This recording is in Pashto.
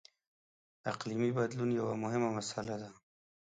• اقلیمي بدلون یوه مهمه مسله ده.